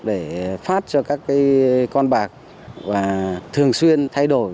để phát cho các con bạc và thường xuyên thay đổi